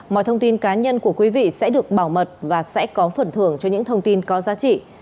mọi thông tin cá nhân của quý vị sẽ được bảo mật và sẽ có phần thưởng cho những thông tin có giá trị